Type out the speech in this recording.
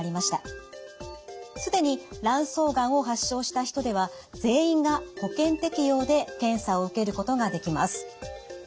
既に卵巣がんを発症した人では全員が保険適用で検査を受けることができます。